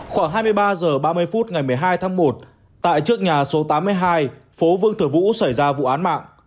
khoảng hai mươi ba h ba mươi phút ngày một mươi hai tháng một tại trước nhà số tám mươi hai phố vương thừa vũ xảy ra vụ án mạng